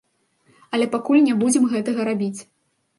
Але пакуль не будзем гэтага рабіць.